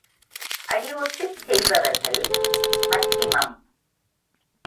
அடி ஒற்றிச் செய்பவர்கள் மத்திமம்.